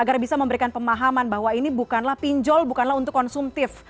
agar bisa memberikan pemahaman bahwa ini bukanlah pinjol bukanlah untuk konsumtif